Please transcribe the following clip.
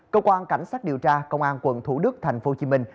cơ quan cảnh sát điều tra công an quận thủ đức thành phố hồ chí minh